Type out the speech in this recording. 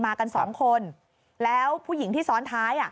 มากันสองคนแล้วผู้หญิงที่ซ้อนท้าย